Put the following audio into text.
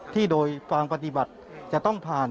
ที่โดยฟาร์มปฏิบัติจะต้องผ่าน